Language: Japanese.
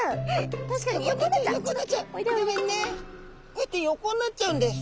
こうやって横になっちゃうんです。